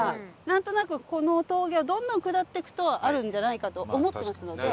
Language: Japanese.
なんとなくこの峠をどんどん下っていくとあるんじゃないかと思ってますので。